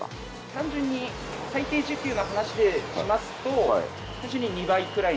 単純に最低時給の話でしますと単純に２倍くらいの。